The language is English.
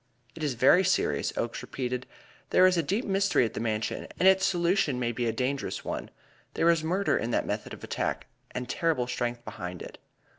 "It is very serious," Oakes repeated. "There is a deep mystery at the Mansion, and its solution may be a dangerous one. There is murder in that method of attack, and terrible strength behind it."